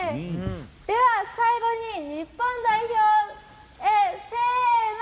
では、最後に日本代表へせーの！